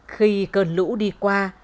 khi cơn lũ đi qua